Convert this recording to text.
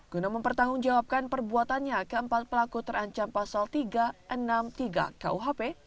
guna mempertanggungjawabkan perbuatannya keempat pelaku terancam pasal tiga ratus enam puluh tiga kuhp